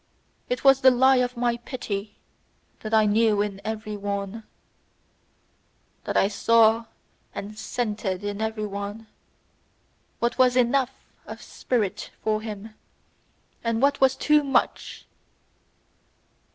It was the lie of my pity, that I knew in every one, That I saw and scented in every one, what was ENOUGH of spirit for him, and what was TOO MUCH!